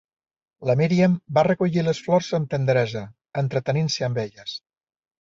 La Míriam va recollir les flors amb tendresa, entretenint-se amb elles.